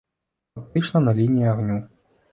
Фактычна, на лініі агню.